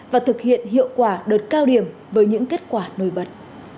và thực hiện hiệu quả đợt cao điểm với những kết quả nổi bật